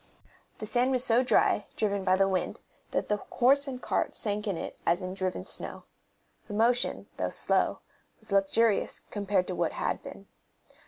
The sand was so dry, driven by the wind, that the horse and cart sank in it as in driven snow. The motion, though slow, was luxurious compared to what had been.